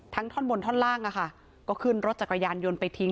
ท่อนบนท่อนล่างอะค่ะก็ขึ้นรถจักรยานยนต์ไปทิ้ง